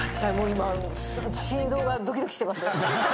今心臓がドキドキしてます。